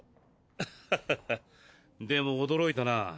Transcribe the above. アハハハでも驚いたな。